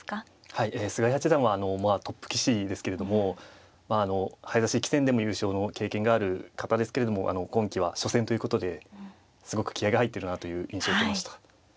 はいえ菅井八段はまあトップ棋士ですけれどもまああの早指し棋戦でも優勝の経験がある方ですけれども今期は初戦ということですごく気合いが入ってるなという印象を受けました。